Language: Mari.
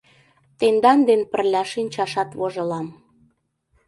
Тендан ден пырля шинчашат вожылам.